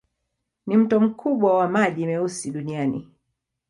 Ni mto mkubwa wa maji meusi duniani.